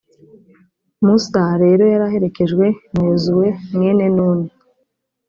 musa rero yari aherekejwe na yozuwe mwene nuni,